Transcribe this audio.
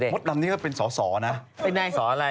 เป็นคนตรงเป็นคนจริงเป็นคนที่อยากว่าแบบว่าพูดอะไรพูดตรงเลย